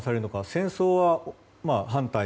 戦争は反対。